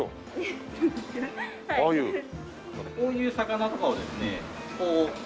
こういう魚とかをですねこう。